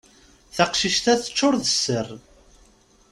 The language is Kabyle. Taqcict-a teččur d sser.